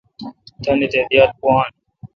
تانی تے°دیال پویان۔